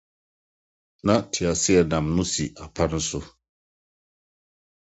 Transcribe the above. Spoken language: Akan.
Ná teaseɛnam no si apa no so.